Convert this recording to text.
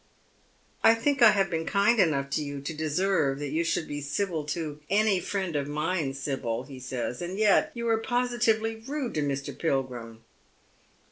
" I think I have been kind enough to you to deserve that you should be civil to any friend of mine, Sibyl," he says ; "and yet you are positively rude to Mr. Pilgrim."